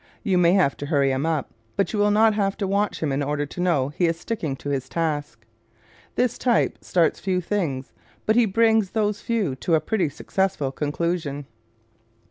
You may have to hurry him but you will not have to watch him in order to know he is sticking to his task. This type starts few things but he brings those few to a pretty successful conclusion.